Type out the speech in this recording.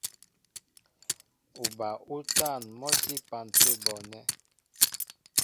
Uba útân mɔ́ tí á epan tə̂ bɔɔnɛ́.